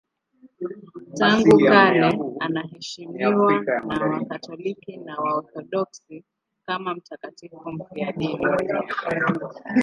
Tangu kale anaheshimiwa na Wakatoliki na Waorthodoksi kama mtakatifu mfiadini.